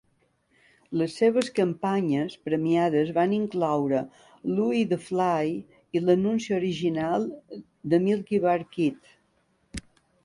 Les seves campanyes premiades van incloure "Louie the Fly" i l'anunci original de "Milkybar Kid".